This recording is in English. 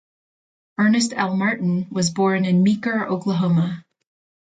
Ernest L. Martin was born in Meeker, Oklahoma.